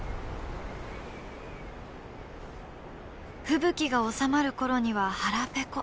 吹雪が収まる頃には腹ペコ。